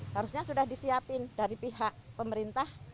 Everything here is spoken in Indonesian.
harusnya sudah disiapin dari pihak pemerintah